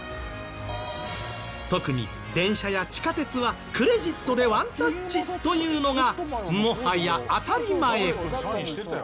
特に電車や地下鉄はクレジットでワンタッチというのがもはや当たり前。